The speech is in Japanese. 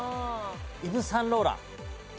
イヴ・サンローラン。